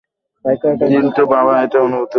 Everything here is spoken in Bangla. কিন্তু বাবা এটার অনুমতি দেয় না।